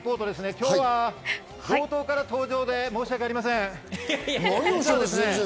今日は冒頭から登場で申しわけありません。